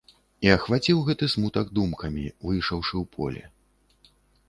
І ахваціў гэты смутак думкамі, выйшаўшы ў поле.